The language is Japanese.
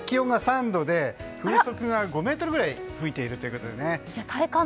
今、気温が３度で風速が５メートルくらい吹いているということで。